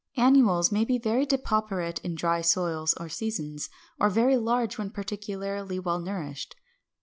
Annuals may be very depauperate in dry soils or seasons, or very large when particularly well nourished.